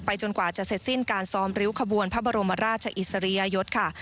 จนกว่าจะเสร็จสิ้นการซ้อมริ้วขบวนพระบรมราชอิสริยยศค่ะ